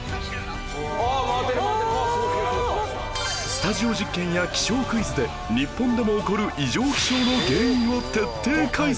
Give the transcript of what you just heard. スタジオ実験や気象クイズで日本でも起こる異常気象の原因を徹底解説！